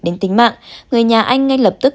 đến tính mạng người nhà anh ngay lập tức